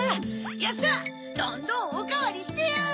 よっしゃどんどんおかわりしてや！